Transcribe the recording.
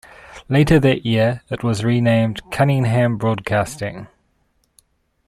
Later that year, it was renamed Cunningham Broadcasting.